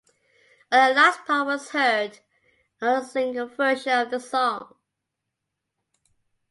Only the last part was heard on the single version of the song.